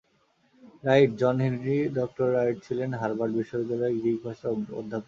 Right, John Henry doctor Wright ছিলেন Harvard বিশ্ববিদ্যালয়ের Greek ভাষার অধ্যাপক।